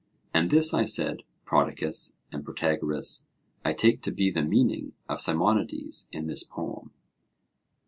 And this, I said, Prodicus and Protagoras, I take to be the meaning of Simonides in this poem.